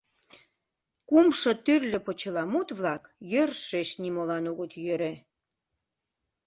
Кумшо тӱрлӧ почеламут-влак йӧршеш нимолан огыт йӧрӧ.